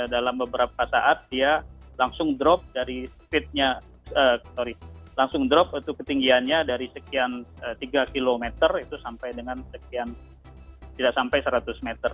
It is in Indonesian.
dalam beberapa saat dia langsung drop dari speednya sorry langsung drop itu ketinggiannya dari sekian tiga km itu sampai dengan sekian tidak sampai seratus meter